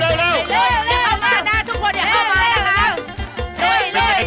ลุยเข้ามาน่าทุกคนอย่าเข้ามาฮะนะครับ